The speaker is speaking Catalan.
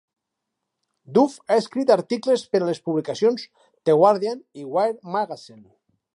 Duff ha escrit articles per a les publicacions "The Guardian" i "Wire Magazine".